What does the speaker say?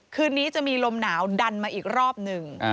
คืนนี้จะมีลมหนาวดันมาอีกรอบหนึ่ง